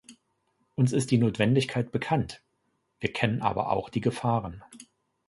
Uns ist die Notwendigkeit bekannt, wir kennen aber auch die Gefahren.